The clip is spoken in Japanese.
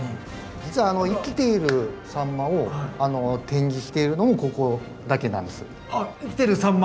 実は生きているサンマを展示しているのもあっ生きてるサンマ？